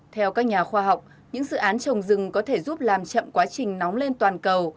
theo các nhà khoa học những dự án trồng rừng có thể giúp làm chậm quá trình nóng lên toàn cầu